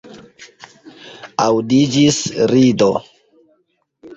Aŭdiĝis rido.